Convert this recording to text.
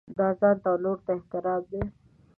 دا ځانته او نورو ته احترام دی.